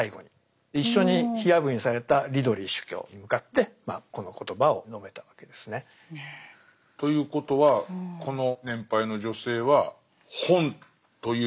一緒に火あぶりにされたリドリー主教に向かってこの言葉を述べたわけですね。ということはこの年配の女性は本という信仰に殉ずるというか。